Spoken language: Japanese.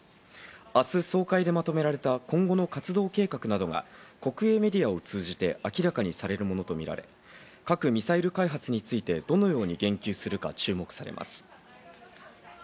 明日、総会でまとめられた今後の活動計画などが、国営メディアを通じて明らかにされるものとみられ、核・ミサイル開発について、どのように言及するか注目されます。